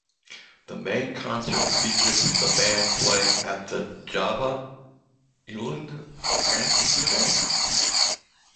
The main concert features the band playing at the Java-eiland, Amsterdam.